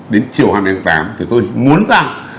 đến chiều hai mươi tháng tám thì tôi muốn ra